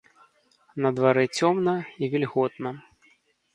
На дварэ цёмна і вільготна.